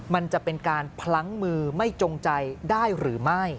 มันจะเป็นการพลั้งมือไม่จงใจได้หรือไม่